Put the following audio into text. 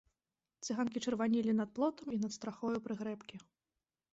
Цыганкі чырванелі над плотам і над страхою прыгрэбкі.